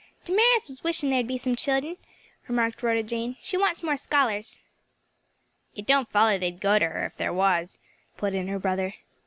"Damaris was wishing there'd be some children;" remarked Rhoda Jane, "she wants more scholars." "It don't foller they'd go to her if there was," put in her brother.